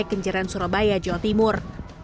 di pantai kencaran surabaya jawa timur